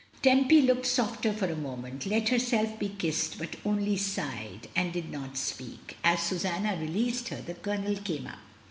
Tempy looked softer for a moment, let herself be kissed, but only sighed, and did not speak. As Susanna released her, the Colonel came up.